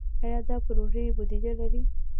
آیا دا پروژې بودیجه لري؟